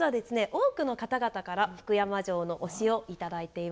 多くの方々から福山城の推しを頂いています。